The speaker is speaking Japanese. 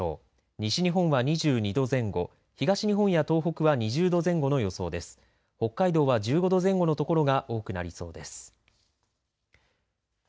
西日本は２２度前後東日本や東北は２０度前後の予想です。